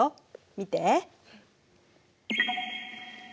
見て。